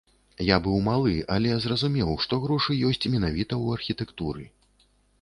Я быў малы, але зразумеў, што грошы ёсць менавіта ў архітэктуры.